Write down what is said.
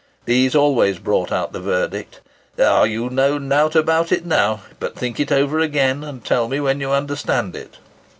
These always brought out the verdict, "Ah! you know nought about it now; but think it over again, and tell me when you understand it."